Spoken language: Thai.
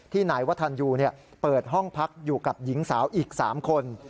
นายวัฒนยูเปิดห้องพักอยู่กับหญิงสาวอีก๓คน